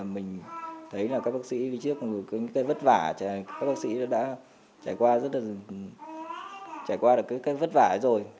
mình thấy là các bác sĩ đi trước cái vất vả các bác sĩ đã trải qua rất là trải qua được cái vất vả rồi